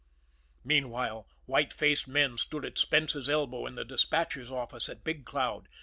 Meanwhile, white faced men stood at Spence's elbow in the despatchers' office at Big Cloud.